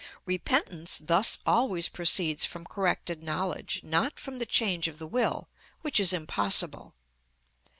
Repentance thus always proceeds from corrected knowledge, not from the change of the will, which is impossible.